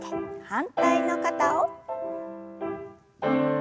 反対の肩を。